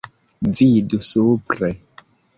Vidu supre.